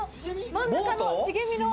真ん中の茂みの。